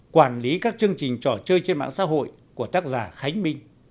quản lý các chương trình trò chơi trên mạng xã hội của tác giả khánh minh